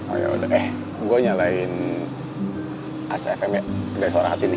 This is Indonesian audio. oh yaudah eh gue nyalain ac fm ya udah suara hati nih